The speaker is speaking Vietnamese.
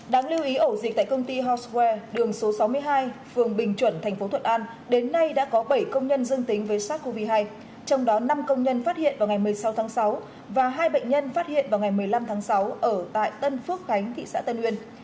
đáng lưu ý ổ dịch tại công ty housware đường số sáu mươi hai phường bình chuẩn thành phố thuận an đến nay đã có bảy công nhân dương tính với sars cov hai trong đó năm công nhân phát hiện vào ngày một mươi sáu tháng sáu và hai bệnh nhân phát hiện vào ngày một mươi năm tháng sáu ở tại tân phước khánh thị xã tân uyên